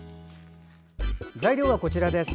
材料はこちらです。